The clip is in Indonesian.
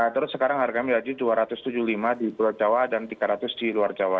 terus sekarang harganya menjadi rp dua ratus tujuh puluh lima di pulau jawa dan tiga ratus di luar jawa